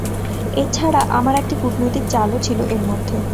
এছাড়া আমার একটা কুটনৈতিক চালও ছিল এর মধ্যে।